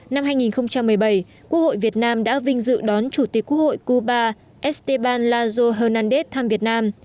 năm hai nghìn một mươi bảy quốc hội việt nam đã vinh dự đón chủ tịch quốc hội cuba esteban lazo hanandez thăm việt nam